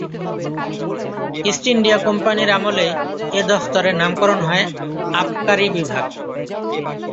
East India কোম্পানির আমলে এ দফতরের নামকরণ হয় আবকারি বিভাগ।